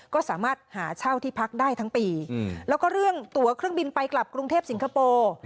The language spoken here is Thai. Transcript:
ก็สามารถหาเช่าที่พักได้ทั้งปีแล้วก็เรื่องตัวเครื่องบินไปกลับกรุงเทพสิงคโปร์